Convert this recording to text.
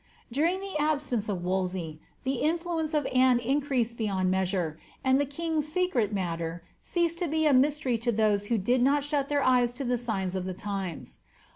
During the absence of Wolsey, tlie influence of Anne increased beyond measure, and the ^ king's secret matter" ceased to be a mystery to tliose who did not shut their eyes to the signs of the times.